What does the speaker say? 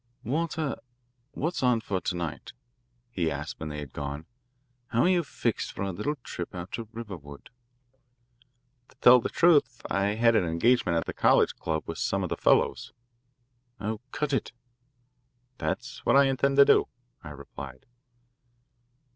"Walter, what's on for to night?"he asked when they had gone. "How are you fixed for a little trip out to Riverwood?" "To tell the truth, I had an engagement at the College Club with some of the fellows." "Oh, cut it." "That's what I intend to do," I replied.